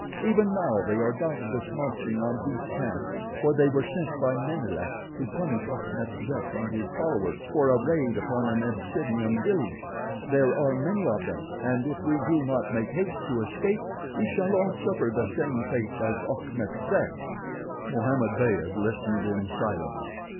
Even now they are doubtless marching on this camp, for they were sent by Menelek to punish Achmet Zek and his followers for a raid upon an Abyssinian village. There are many of them, and if we do not make haste to escape we shall all suffer the same fate as Achmet Zek." Mohammed Beyd listened in silence.